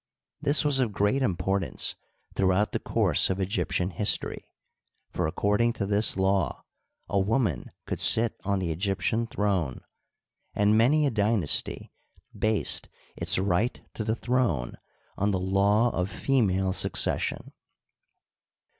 This was of great importance throughout the course of Egyptian history, for according to this law a woman could sit on the Egyptian throne, and many a dynasty based its right to the tnrone on the law of female succession.